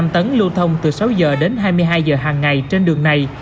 xe giao thông vẫn lưu thông từ sáu giờ đến hai mươi hai giờ hàng ngày trên đường này